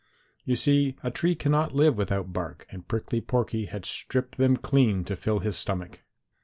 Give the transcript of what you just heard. You see a tree cannot live without bark, and Prickly Porky had stripped them clean to fill his stomach.